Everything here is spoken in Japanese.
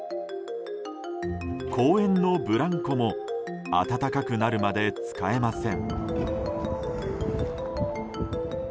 公園のブランコも暖かくなるまで使えません。